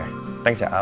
berhasil pasti datang